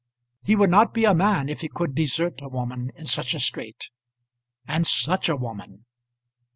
He would not be a man if he could desert a woman in such a strait. And such a woman!